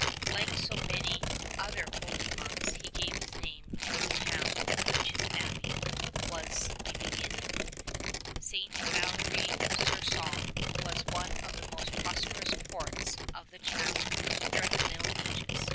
Like so many other holy monks he gave his name to the town of which his abbey was the beginning. St. Valery sur Somme was one of the most prosperous ports of the Channel during the middle ages.